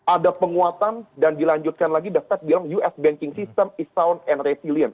ada penguatan dan dilanjutkan lagi the fed bilang us banking system is sound and resilient